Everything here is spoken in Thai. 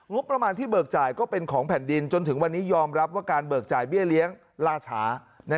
งบประมาณที่เบิกจ่ายก็เป็นของแผ่นดินจนถึงวันนี้ยอมรับว่าการเบิกจ่ายเบี้ยเลี้ยงล่าช้า